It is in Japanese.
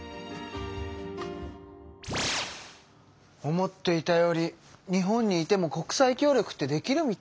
思っていたより日本にいても国際協力ってできるみたい！